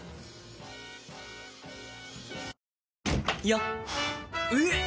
よっ！